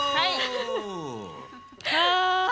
はい。